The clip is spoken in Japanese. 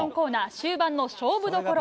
終盤の勝負どころ。